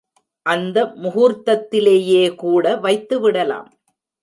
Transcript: அந்த முகூர்த்தத்திலேயே கூட வைத்து விடலாம்.